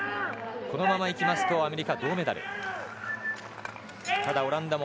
このままいきますとアメリカ、銅メダル。